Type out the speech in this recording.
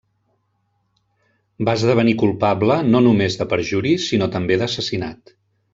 Va esdevenir culpable no només de perjuri, sinó també d'assassinat.